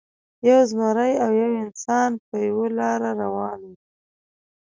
یو زمری او یو انسان په یوه لاره روان وو.